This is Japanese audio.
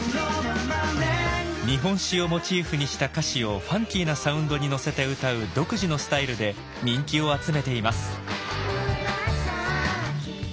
日本史をモチーフにした歌詞をファンキーなサウンドに乗せて歌う独自のスタイルで人気を集めています。